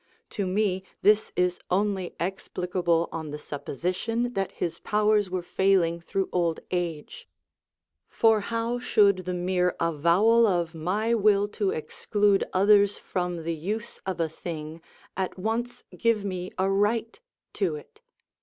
To me this is only explicable on the supposition that his powers were failing through old age. For how should the mere avowal of my will to exclude others from the use of a thing at once give me a right to it?